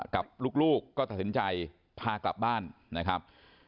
กับลูกก็ตัดสินใจพากลับบ้านนะครับ